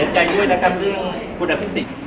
สวัสดีครับ